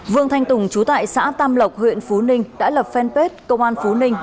vương thanh tùng chú tại xã tam lộc huyện phú ninh đã lập fanpage công an phú ninh